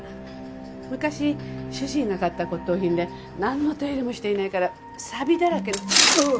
昔主人が買った骨董品でなんの手入れもしていないからさびだらけ。